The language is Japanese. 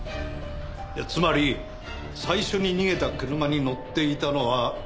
つまり最初に逃げた車に乗っていたのは。